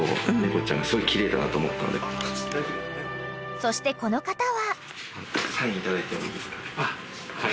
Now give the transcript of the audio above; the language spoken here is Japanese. ［そしてこの方は］